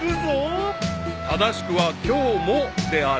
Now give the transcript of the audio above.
［正しくは「今日も」である］